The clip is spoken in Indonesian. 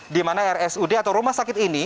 di mana rsud atau rumah sakit ini